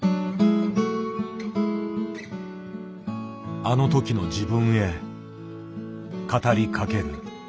あのときの自分へ語りかける。